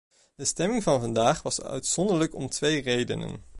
De stemming van vandaag was uitzonderlijk om twee redenen.